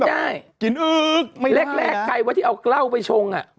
ไม่ได้เล็กใกล้ว่าที่เอาเกล้าไปชง